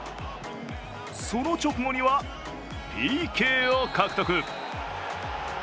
その直後にはＰＫを獲得。